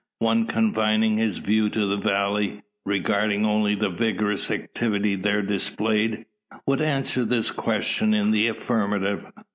One confining his view to the valley regarding only the vigorous activity there displayed would answer this question in the affirmative.